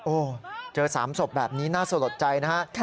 โอ้เจอ๓ศพแบบนี้น่าสะดดใจนะครับ